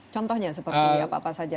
contohnya seperti apa saja